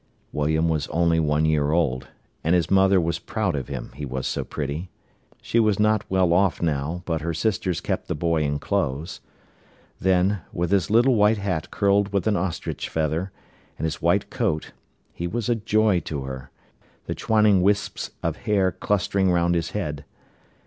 William was only one year old, and his mother was proud of him, he was so pretty. She was not well off now, but her sisters kept the boy in clothes. Then, with his little white hat curled with an ostrich feather, and his white coat, he was a joy to her, the twining wisps of hair clustering round his head.